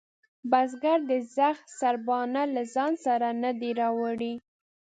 بزگر د زخ سرباڼه له ځانه سره نه ده راوړې.